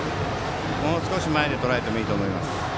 もう少し前でとらえてもいいですよ。